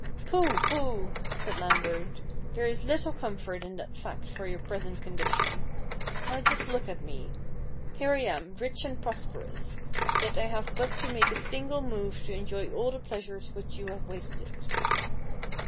" Pooh ! pooh !" said Lambert :" there is little comfort in that fact for your present condition. Now just look at me. Here I am rich and prosperous, yet I have but to make a single move to enjoy all the pleasures which you have wasted."